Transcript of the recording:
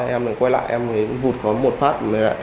em quay lại em vụt có một phát